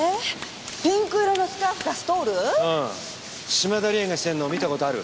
うん嶋田理恵がしてるのを見た事ある？